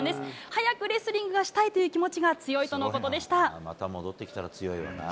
早くレスリングがしたいという気持ちが強いとのことでした。